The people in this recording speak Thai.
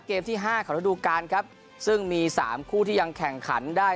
ที่ห้าของระดูการครับซึ่งมีสามคู่ที่ยังแข่งขันได้